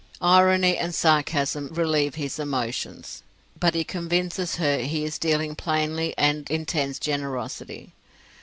Irony and sarcasm relieve his emotions, but he convinces her he is dealing plainly and intends generosity.